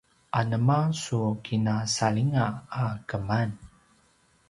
anema su kina saljinga a keman?